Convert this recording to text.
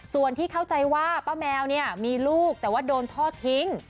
ส่วนที่เข้าใจว่าป้าแมวเนี่ยมีลูกแต่ว่าโดนทอดทิ้ง